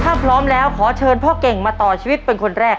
ถ้าพร้อมแล้วขอเชิญพ่อเก่งมาต่อชีวิตเป็นคนแรก